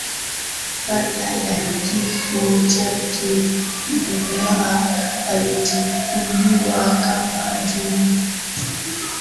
Baada ya kifo chake Guevara alichukuliwa kama nguzo